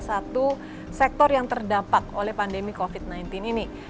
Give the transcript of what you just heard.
satu sektor yang terdampak oleh pandemi covid sembilan belas ini